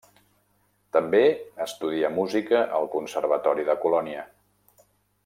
També estudià Música al Conservatori de Colònia.